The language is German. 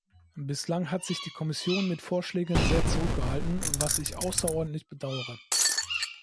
Bislang hat sich die Kommission mit Vorschlägen sehr zurückgehalten, was ich außerordentlich bedauere.